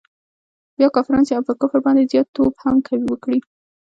بیا کافران سي او پر کفر باندي زیات توب هم وکړي.